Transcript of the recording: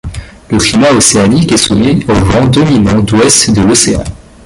Le climat océanique est soumis aux vents dominant d’ouest de l’océan.